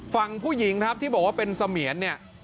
ฝั่งผู้หญิงที่บอกว่าเป็นเสมียน